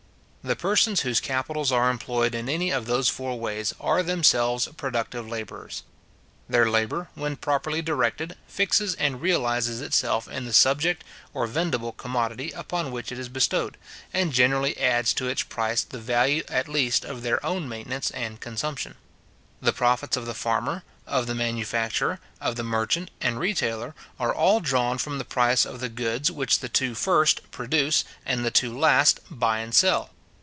The persons whose capitals are employed in any of those four ways, are themselves productive labourers. Their labour, when properly directed, fixes and realizes itself in the subject or vendible commodity upon which it is bestowed, and generally adds to its price the value at least of their own maintenance and consumption. The profits of the farmer, of the manufacturer, of the merchant, and retailer, are all drawn from the price of the goods which the two first produce, and the two last buy and sell.